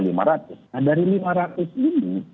nah dari lima ratus ini